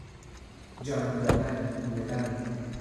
جان دادن، مردن